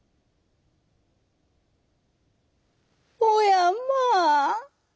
「おやまあ！